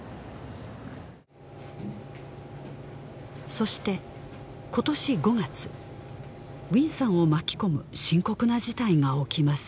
そして今年５月ウィンさんを巻き込む深刻な事態が起きます